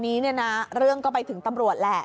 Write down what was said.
นี้เนี่ยนะเรื่องก็ไปถึงตำรวจแหละ